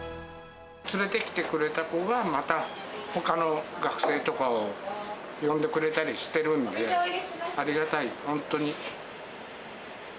連れてきてくれた子が、またほかの学生とかを呼んでくれたりしてるんで、ありがたい、本当に。